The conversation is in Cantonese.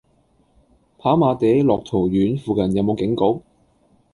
跑馬地樂陶苑附近有無警局？